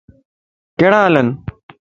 ڪھڙا ھالن؟